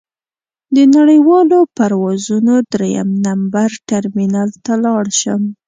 د نړیوالو پروازونو درېیم نمبر ټرمینل ته لاړ شم.